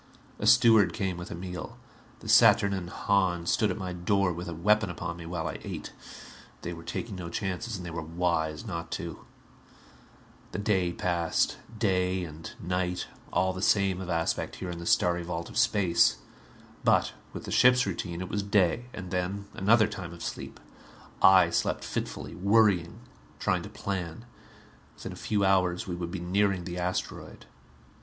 A steward came with a meal. The saturnine Hahn stood at my door with a weapon upon me while I ate. They were taking no chances and they were wise not to. The day passed. Day and night, all the same of aspect here in the starry vault of space. But with the ship's routine it was day. And then another time of sleep. I slept fitfully, worrying, trying to plan. Within a few hours we would be nearing the asteroid.